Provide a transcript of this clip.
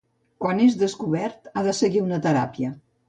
Quan és descobert, ha de seguir una teràpia.